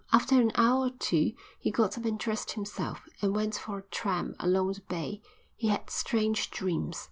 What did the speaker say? After an hour or two he got up and dressed himself, and went for a tramp along the bay. He had strange dreams.